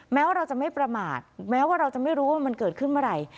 แม้ว่าเราจะไม่ประมาทแม้ว่าเราจะไม่รู้ว่ามันเกิดขึ้นเมื่อไหร่